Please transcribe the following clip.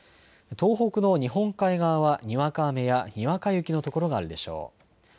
東北の日本海側は、にわか雨やにわか雪の所があるでしょう。